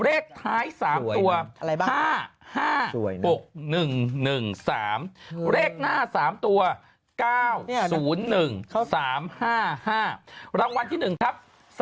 เลขท้าย๓ตัว๕๕๖๑๑๓เลขหน้า๓ตัว๙๐๑๓๕๕รางวัลที่๑ครับ